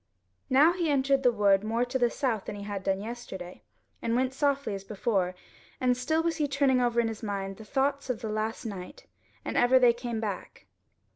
Now he entered the wood more to the south than he had done yesterday, and went softly as before, and still was he turning over in his mind the thoughts of last night, and ever they came back.